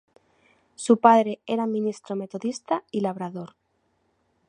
Su padre era ministro metodista y labrador.